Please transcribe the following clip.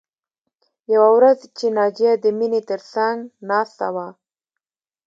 یوه ورځ چې ناجیه د مینې تر څنګ ناسته وه